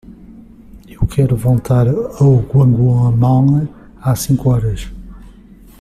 Eu quero voltar ao Guanghua Mall às cinco horas.